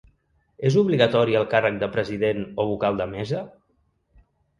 És obligatori el càrrec de president o vocal de mesa?